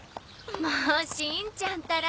もうしんちゃんったら。